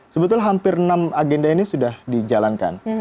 sebetulnya hampir enam agenda ini sudah dijalankan